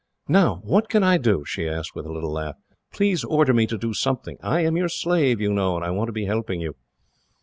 "Now, what can I do?" she asked, with a little laugh. "Please order me to do something. I am your slave, you know, and I want to be helping you."